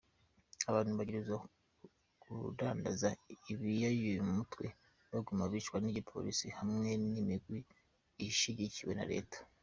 Abantu bagirizwa kudandaza ibiyayuramutwe baguma bicwa n’igipolisi, hamwe n’imigwi ishigikiwe na reta.